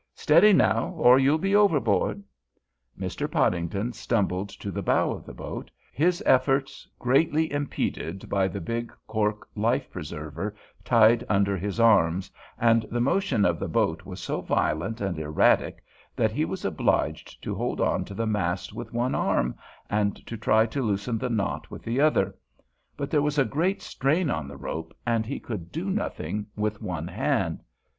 Steady now, or you'll be overboard!" Mr. Podington stumbled to the bow of the boat, his efforts greatly impeded by the big cork life preserver tied under his arms, and the motion of the boat was so violent and erratic that he was obliged to hold on to the mast with one arm and to try to loosen the knot with the other; but there was a great strain on the rope, and he could do nothing with one hand.